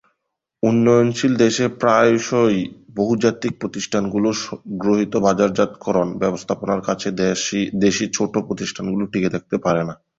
উন্নয়নশীল দেশে প্রায়শঃই বহুজাতিক প্রতিষ্ঠানগুলোর গৃহীত বাজারজাতকরণ ব্যবস্থাপনার কাছে দেশী ছোট প্রতিষ্ঠানগুলো টিকে থাকতে পারে না।